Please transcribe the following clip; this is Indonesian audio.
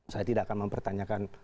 saya tidak akan mempertanyakan